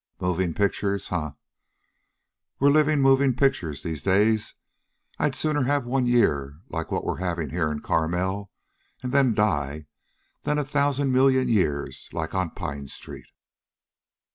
Movin' pictures! Huh! We're livin' movin' pictures these days. I'd sooner have one year like what we're havin' here in Carmel and then die, than a thousan' million years like on Pine street."